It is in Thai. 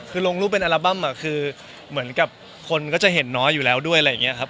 คือลงรูปเป็นอัลบั้มคือเหมือนกับคนก็จะเห็นน้อยอยู่แล้วด้วยอะไรอย่างนี้ครับ